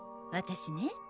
私ね